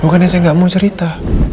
bukannya saya nggak mau cerita